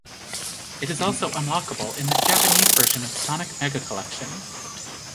It is also unlockable in the Japanese version of "Sonic Mega Collection".